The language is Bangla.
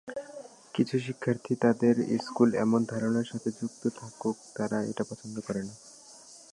কিছু শিক্ষার্থী তাদের স্কুল এমন ধারণার সাথে যুক্ত থাকুক তারা এটা পছন্দ করে না।